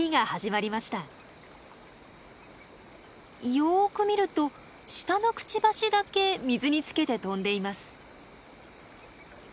よく見ると下のクチバシだけ水につけて飛んでいます。